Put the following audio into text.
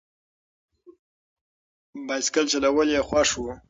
بایسکل چلول یې خوښ و.